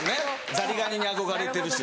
ザリガニに憧れてるし。